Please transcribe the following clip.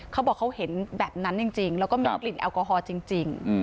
เขาบอกเขาเห็นแบบนั้นจริงแล้วก็มีกลิ่นแอลกอฮอล์จริง